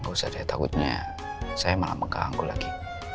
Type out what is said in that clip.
gak usah deh takutnya saya malah mengganggu lagi